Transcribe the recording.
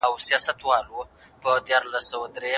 زه اوس د یوې نوې ویډیو په لټه کې یم.